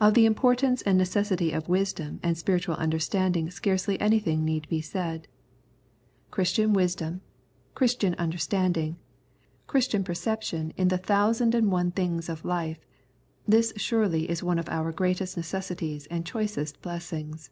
Of the importance and necessity of wisdom and spiritual understanding scarcely anything need be said. Christian wisdom, 6i The Prayers of St. Paul Christian understanding, Christian per ception in the thousand and one things of life — this surely is one of our greatest necessities and choicest blessings.